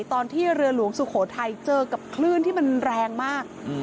ตอนที่เรือหลวงสุโขทัยเจอกับคลื่นที่มันแรงมาก